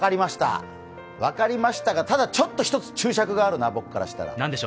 分かりましたが、ただちょっと１つ注釈があるな、僕からしたら。